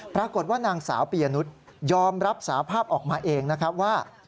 ปรากฏว่านางสาวปียนุษย์ยอมรับสาภาพออกมาเองนะครับว่า